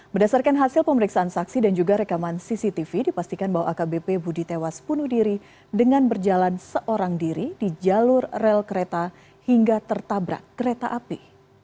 berdasarkan hasil pemeriksaan saksi dan juga rekaman cctv dipastikan bahwa akbp budi tewas bunuh diri dengan berjalan seorang diri di jalur rel kereta hingga tertabrak kereta api